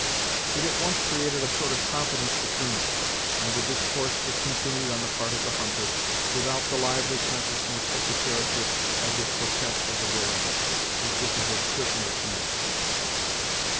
It at once created a sort of confidence between them, and the discourse was continued on the part of the hunter, without the lively consciousness of the character of this coquette of the wilderness, with which it had certainly commenced.